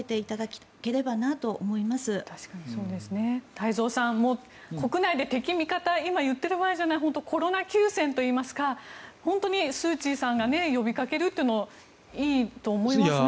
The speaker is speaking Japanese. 太蔵さん、国内で敵味方を今言っている場合じゃないコロナ休戦といいますか本当にスー・チーさんが呼びかけるというのもいいと思いますね。